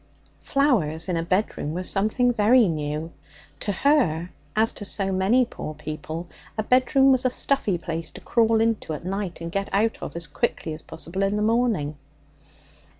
Flowers in a bedroom were something very new. To her, as to so many poor people, a bedroom was a stuffy place to crawl into at night and get out of as quickly as possible in the morning.